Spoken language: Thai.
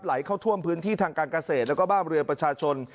ไหลเข้าท่วมพื้นที่ทางการเกษตรแล้วก็บ้านเรือนประชาชน